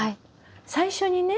最初にね